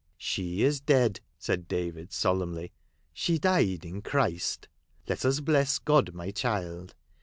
" She is dead," said David, solemnly, " she died in Christ. Let us bless God, my child.